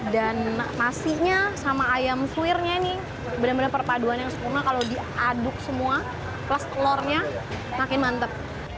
dan nasinya sama ayam suirnya nih bener bener perpaduan yang sempurna kalau diaduk semua plus telurnya makin mantep